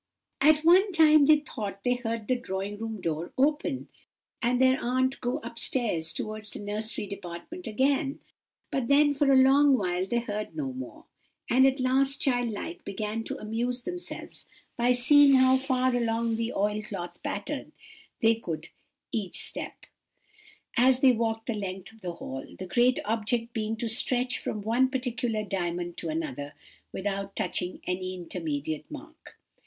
"At one time they thought they heard the drawing room door open, and their aunt go up stairs towards the nursery department again; but then for a long while they heard no more; and at last, childlike, began to amuse themselves by seeing how far along the oil cloth pattern they could each step, as they walked the length of the hall, the great object being to stretch from one particular diamond to another, without touching any intermediate mark.